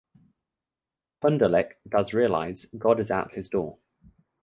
Pundalik does realize God is at his door.